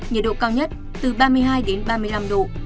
nhiệt độ cao nhất từ ba mươi hai đến ba mươi năm độ